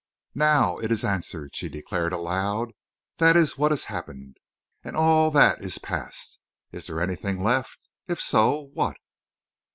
"Now it is answered," she declared aloud. "That is what has happened?... And all that is past.... Is there anything left? If so _what?